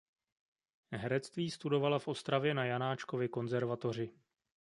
Herectví studovala v Ostravě na Janáčkově konzervatoři.